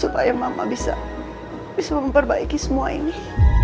supaya mama bisa memperbaiki semua ini